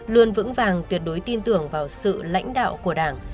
luôn vững vàng tuyệt đối tin tưởng vào sự lãnh đạo của đảng